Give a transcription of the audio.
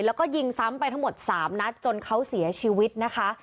แล้วก็ยิงซ้ำไปทั้งหมด๓นัดจนเขาเสียชีวิตนะคะ